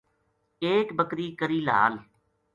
اِکا بکری کری لہال